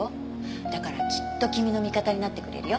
だからきっと君の味方になってくれるよ。